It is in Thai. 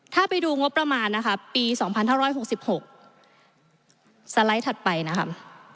ถ้าไปดูงบประมาณนะคะปี๒๕๖๖สไลด์ถัดไปนะคะ